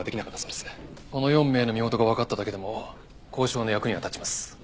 この４名の身元がわかっただけでも交渉の役には立ちます。